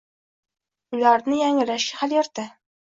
ularni yangilashga hali erta»